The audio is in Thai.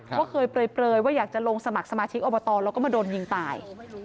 ว่าเคยเปลยว่าอยากจะลงสมัครสมาชิกอบตแล้วก็มาโดนยิงตาย